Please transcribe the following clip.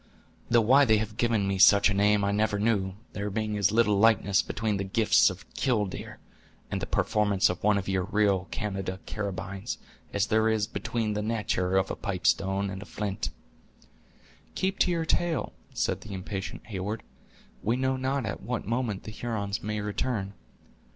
Though why they have given me such a name I never knew, there being as little likeness between the gifts of 'killdeer' and the performance of one of your real Canada carabynes, as there is between the natur' of a pipe stone and a flint." "Keep to your tale," said the impatient Heyward; "we know not at what moment the Hurons may return."